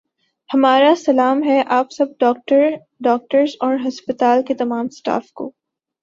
ہمارا سلام ہے آپ سب ڈاکٹرس اور ہسپتال کے تمام سٹاف کو